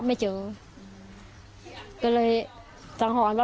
อายุ๖ขวบซึ่งตอนนั้นเนี่ยเป็นพี่ชายมารอเอาน้องชายไปอยู่ด้วยหรือเปล่าเพราะว่าสองคนนี้เขารักกันมาก